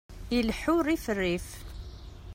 Ileḥḥu rrif rrif!